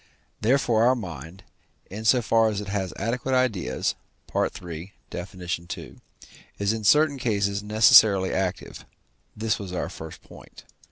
Therefore our mind, in so far as it has adequate ideas (III. Def. ii.), is in certain cases necessarily active; this was our first point.